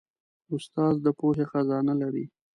استاد د پوهې خزانه لري.